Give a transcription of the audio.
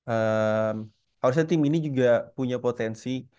harusnya tim ini juga punya potensi